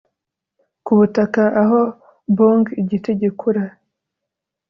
kubutaka aho bong-igiti gikura